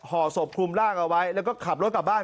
ห่อศพคลุมร่างเอาไว้แล้วก็ขับรถกลับบ้าน